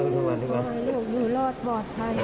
ลูกอยู่รอดบอดภัย